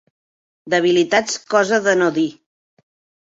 Debilitats cosa de no dir.